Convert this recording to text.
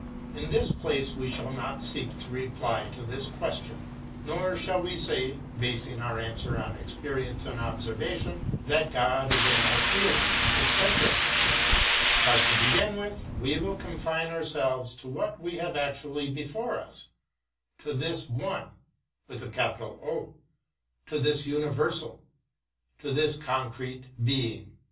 In this place we shall not seek a reply to this question; nor shall we say, basing our answer on experience and observation, that God is in our feeling, etc. But, to begin with, we will confine ourselves to what we have actually before us, to this One, to this universal, to this concrete Being.